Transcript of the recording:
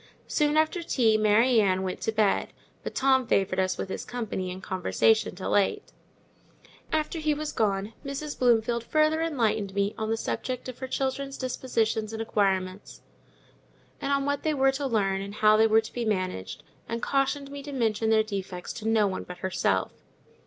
Soon after tea, Mary Ann went to bed, but Tom favoured us with his company and conversation till eight. After he was gone, Mrs. Bloomfield further enlightened me on the subject of her children's dispositions and acquirements, and on what they were to learn, and how they were to be managed, and cautioned me to mention their defects to no one but herself.